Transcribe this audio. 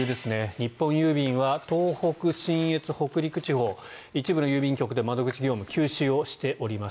日本郵便は東北、信越、北陸地方一部の郵便局で窓口業務を休止しております。